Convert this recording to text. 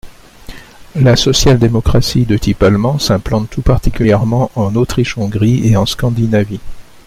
La social-démocratie de type allemand s'implante tout particulièrement en Autriche-Hongrie et en Scandinavie.